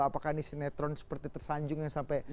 apakah ini sinetron seperti tersanjung yang sampai